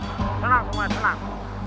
senang semua senang